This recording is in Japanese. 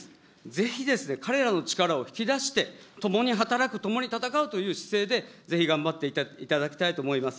ぜひ、彼らの力を引き出して、共に働く、共に戦うという姿勢で、ぜひ頑張っていただきたいと思います。